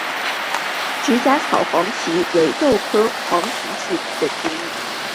直荚草黄耆为豆科黄芪属的植物。